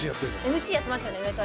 ＭＣやってましたよね。